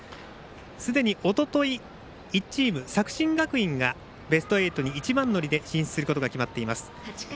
すでにおととい、作新学院がベスト８一番乗りで進出することが決まっています。